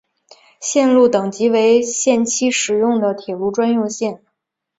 线路等级为限期使用的铁路专用线。